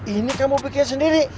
ini kamu bikin sendiri